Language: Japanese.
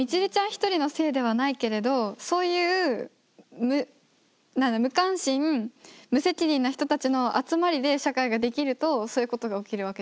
一人のせいではないけれどそういう無関心無責任な人たちの集まりで社会が出来るとそういうことが起きるわけじゃんか。